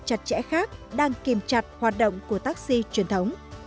chặt chẽ khác đang kiềm chặt hoạt động của taxi trên mạng